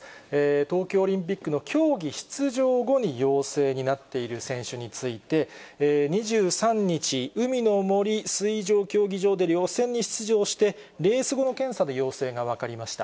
東京オリンピックの競技出場後に陽性になっている選手について、２３日、海の森水上競技場で予選に出場して、レース後の検査で陽性が分かりました。